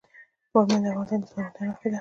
بامیان د افغانستان د زرغونتیا نښه ده.